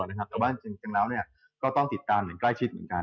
แม้ว่านงคังเลาะก็ต้องติดตามใกล้ชิดเหมือนกัน